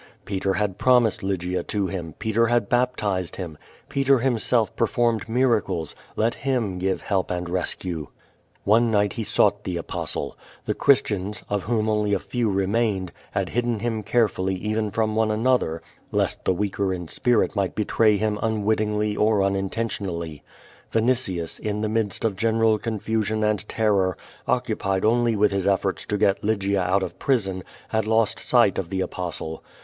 Peter had ])romised Lj'gia to him; Peter had baptized him; Peter himself per formed miracles; let him give help and rescue. One night he sought the Apostle. The Christians, of Qvo rADif^. 3^5 whom only a tew remained, had hidden him carefully even from one another, leet the weaker in sjnrit might betray him unwittingly or unintentionally. Vinitius, in the midst of general confusion and terror, occupied only with his elforts to get Lygia out of prison, had lost sight of the Apostle.